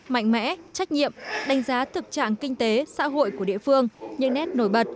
mạnh mẽ trách nhiệm đánh giá thực trạng kinh tế xã hội của địa phương những nét nổi bật